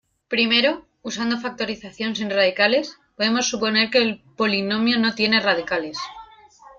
Primero, usando factorización sin radicales, podemos suponer que el polinomio no tiene radicales.